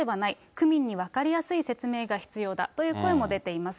区民に分かりやすい説明が必要だという声も出ています。